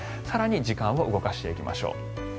更に時間を動かしていきましょう。